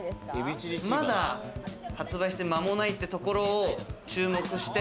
まだ発売して間もないってところを注目して。